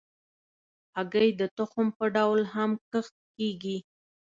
هګۍ د تخم په ډول هم کښت کېږي.